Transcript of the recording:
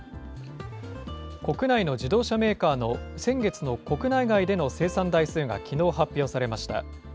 国内の自動車メーカーの先月の国内外での生産台数がきのう発表されました。